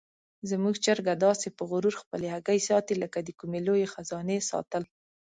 زموږ چرګه داسې په غرور خپلې هګۍ ساتي لکه د کومې لویې خزانې ساتل.